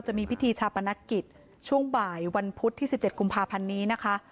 จะมีพิธีชาปนกิจช่วงบ่ายวันพุธที่๑๗กุมภาพันธ์นี้นะคะ